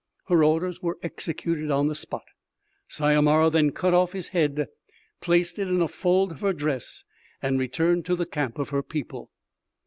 Her orders were executed on the spot. Syomara then cut off his head, placed it in a fold of her dress and returned to the camp of her people.